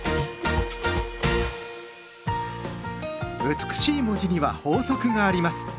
美しい文字には法則があります。